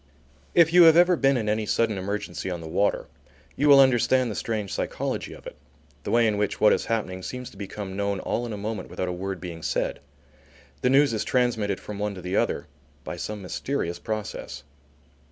If you have ever been in any sudden emergency on the water, you will understand the strange psychology of it, the way in which what is happening seems to become known all in a moment without a word being said. The news is transmitted from one to the other by some mysterious process.